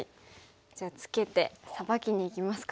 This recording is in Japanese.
じゃあツケてサバキにいきますか。